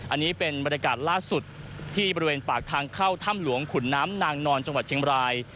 อันนี้เป็นบรรยากาศล่าสุดที่บริเวณปากทางเข้าถ้ำหลวงขุนน้ำนางนอนจังหวัดเชียงบราย